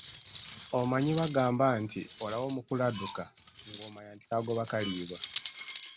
Omanyi bagamba nti, “Olaba omukulu adduka, ng’omanya nti kagoba kaliibwa.”